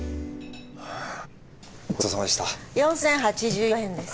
４，０８４円です。